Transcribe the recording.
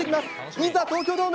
いざ東京ドーム。